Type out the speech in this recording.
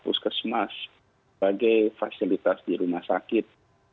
puskesmas bagai fasilitas di rumah sakit